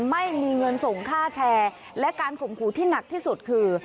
ไม่มีเงินส่งค่าแชร์และการข่มขู่ที่หนักที่สุดคือ